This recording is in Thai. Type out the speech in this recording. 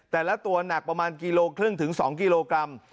แต่ละตัวหนักประมาณกิโลครึ่งถึง๒กิโลกรัม